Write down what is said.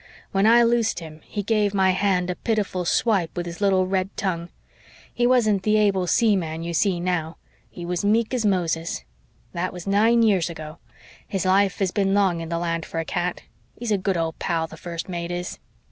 When I loosed him he gave my hand a pitiful swipe with his little red tongue. He wasn't the able seaman you see now. He was meek as Moses. That was nine years ago. His life has been long in the land for a cat. He's a good old pal, the First Mate is."